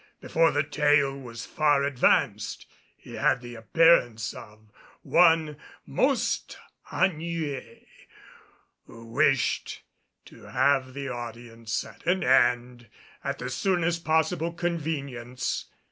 Before the tale was far advanced he had the appearance of one most ennuyé who wished to have the audience at an end at the soonest possible convenience.